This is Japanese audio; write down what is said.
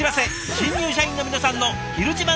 新入社員の皆さんの「ひる自慢」